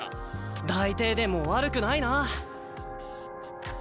大停電も悪くないな。